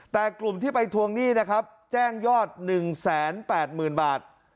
แต่กลุ่มที่ไปทวงหนี้นะครับแจ้งยอด๑๘๐๐๐บาท